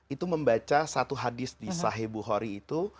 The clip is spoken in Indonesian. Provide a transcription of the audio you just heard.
itu membaca satu hadis di sahih bukhori itu